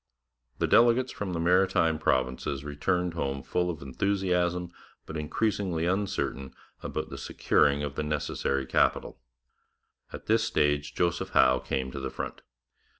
The delegates from the Maritime Provinces returned home full of enthusiasm, but increasingly uncertain about the securing of the necessary capital. At this stage Joseph Howe came to the front.